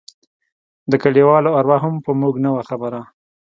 د كليوالو اروا هم په موږ نه وه خبره.